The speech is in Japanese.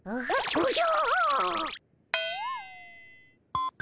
おじゃ！